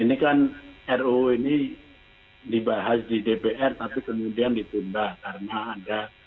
ini kan ruu ini dibahas di dpr tapi kemudian ditunda karena ada